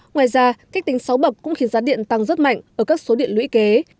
ngoài ra cách tính xấu bập cũng khiến giá điện tăng rất mạnh ở các số điện lũy kế